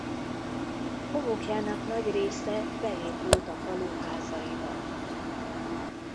Homokjának nagy része beépült a falu házaiba.